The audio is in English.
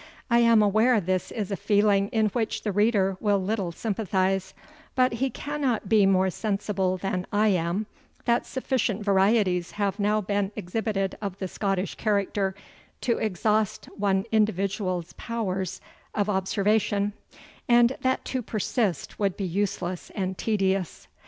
I am aware this is a feeling in which the reader will little sympathize; but he cannot be more sensible than I am, that sufficient varieties have now been exhibited of the Scottish character, to exhaust one individual's powers of observation, and that to persist would be useless and tedious.